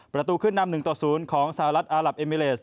ประตูขึ้นนำ๑ต่อ๐ของสหรัฐอารับเอมิเลส